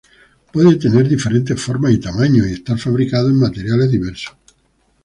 Puede tener diferentes formas y tamaños, y estar fabricado de materiales diversos.